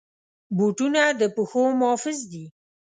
بوټونه د پښو محافظ دي.